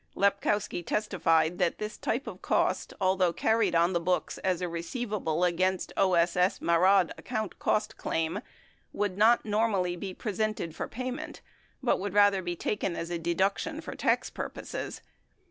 Lepkowski tes tified that this type of cost, although carried on the books as a receiv able against O.S.S. Marad account cost claim, would not normally be presented for payment but rather taken as a deduction for tax pur poses.